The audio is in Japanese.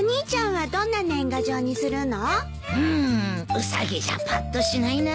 ウサギじゃパッとしないな。